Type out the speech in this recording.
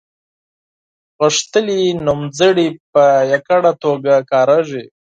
غښتلي نومځري په یوازې توګه کاریږي.